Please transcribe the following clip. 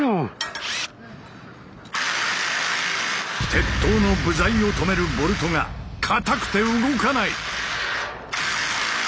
鉄塔の部材をとめるボルトが固くて動かない。